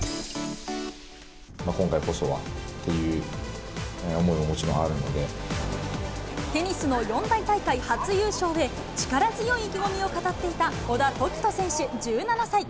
今回こそはという思いはもちテニスの四大大会初優勝へ、力強い意気込みを語っていた小田凱人選手１７歳。